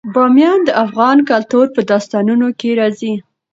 بامیان د افغان کلتور په داستانونو کې راځي.